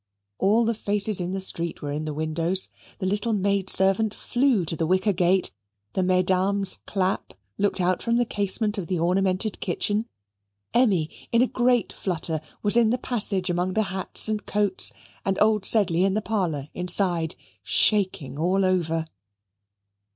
All the faces in the street were in the windows; the little maidservant flew to the wicket gate; the Mesdames Clapp looked out from the casement of the ornamented kitchen; Emmy, in a great flutter, was in the passage among the hats and coats; and old Sedley in the parlour inside, shaking all over.